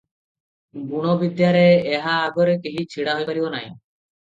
ଗୁଣବିଦ୍ୟାରେ ଏହା ଆଗରେ କେହି ଛିଡ଼ାହୋଇପାରିବ ନାହିଁ ।